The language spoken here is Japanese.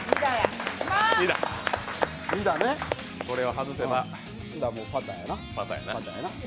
これを外せばパターやな。